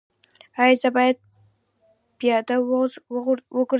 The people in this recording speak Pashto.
ایا زه باید پیاده وګرځم؟